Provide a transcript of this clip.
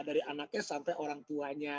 dari anaknya sampai orang tuanya